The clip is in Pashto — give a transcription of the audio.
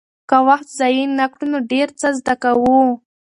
که وخت ضایع نه کړو نو ډېر څه زده کوو.